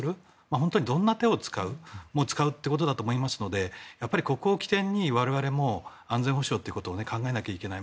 本当にどんな手でも使うということでしょうしやっぱり、ここを起点に我々も安全保障ということを考えなければいけない。